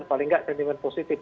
paling tidak sentimen positif